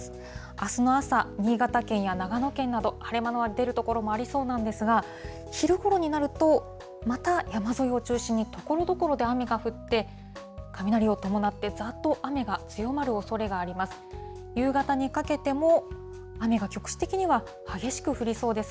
あすの朝、新潟県や長野県など、晴れ間の出る所もありそうなんですが、昼ごろになると、また山沿いを中心に、ところどころで雨が降って、雷を伴って、ざーっと雨が強まるおそれがあります。